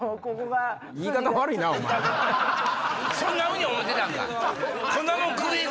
そんなふうに思ってたんか！